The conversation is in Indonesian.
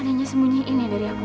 adanya sembunyiin ya dari aku